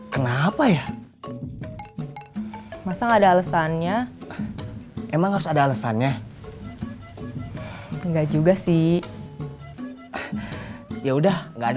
kenapa ya masa nggak ada alasannya emang harus ada alasannya enggak juga sih ya udah enggak ada